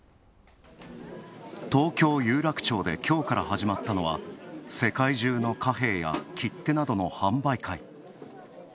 東京・有楽町できょうから始まったのは世界中の貨幣や切手などの販売会。